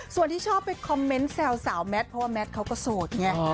ส่วนที่ชอบไปคอมเมนต์แซวสาวแมทเพราะว่าแมทเขาก็โสดไง